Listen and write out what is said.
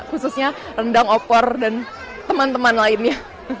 khususnya rendang opor dan teman teman lainnya